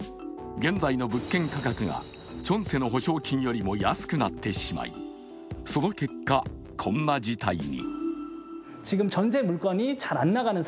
現在の物件価格がチョンセの保証金よりも安くなってしまいその結果、こんな事態に。